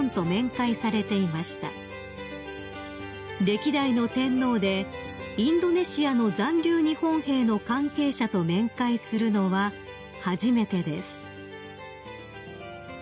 ［歴代の天皇でインドネシアの残留日本兵の関係者と面会するのは初めてです］